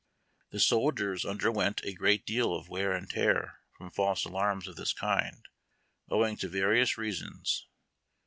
The soldiers underwent a great deal of wear and tear from false alarms of this kind, owing to various reasons.